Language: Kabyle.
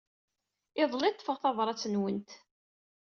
Iḍelli ay d-ḍḍfeɣ tabṛat-nwent.